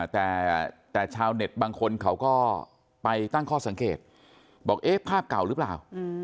แต่ชาวเน็ตบางคนเขาก็ไปตั้งข้อสังเกตบอกเอ๊ะภาพเก่าหรือเปล่า